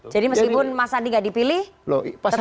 jadi meskipun mas sandi nggak dipilih tetap dukung pak ganjar